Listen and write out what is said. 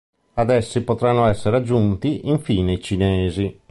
Ad essi potranno essere aggiunti infine i Cinesi.